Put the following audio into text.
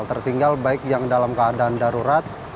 tertinggal baik yang dalam keadaan darurat